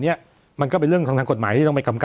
นี่มันก็เลยเอามาใช้ได้อย่างเนี่ย